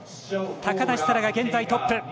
高梨沙羅が現在トップ。